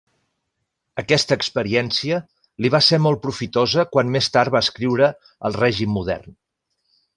Aquesta experiència li va ser molt profitosa quan més tard va escriure el règim modern.